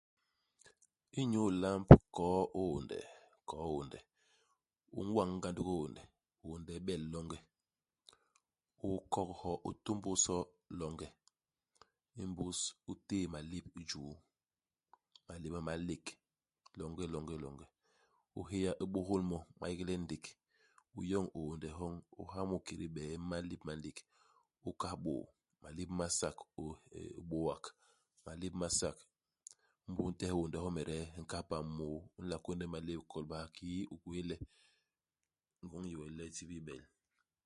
Inyu ilamb nkôô-hiônde, koo-hiônde, u ñ'wañ nga ndugi hiônde, hiônde hi bel longe ; U kok hyo, u tômbôs hyo longe ; imbus u téé malép i juu, imalép ma ma lék longelongelonge. U héya u bôhôl mo, ma yégle ndék. U yoñ hiônde hyoñ, u ha mu i kédé hibee, i malép ma nlék, u kahal bôô, malép ma sak u eeh u bôak, malép ma sak. Imbus u ntehe hiônde hyomede hi nkahal pam môô. U nla kônde malép ikolbaha kiki u gwéé le, ngôñ i yé we le hi tibil bel.